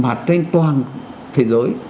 mà trên toàn thế giới